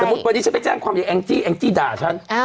มุติวันนี้ฉันไปแจ้งความอย่างแองจี้แองจี้ด่าฉัน